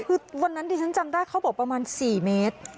คือวันนั้นดิฉันจำได้เขาบอกประมาณ๔เมตร